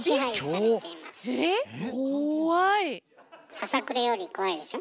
ささくれより怖いでしょ？